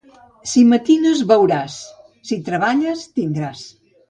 Si matines, veuràs; si treballes, tindràs.